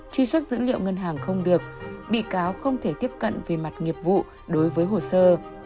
truy xuất dữ liệu ngân hàng không được bị cáo không thể tiếp cận về mặt nghiệp vụ đối với hồ sơ